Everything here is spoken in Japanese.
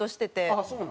あっそうなの？